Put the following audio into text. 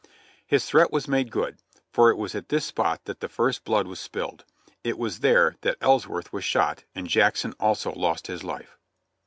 His threat was made good, for it was at this spot that the first blood was spilled ; it was there that Ellsworth was shot and Jack son also lost his life.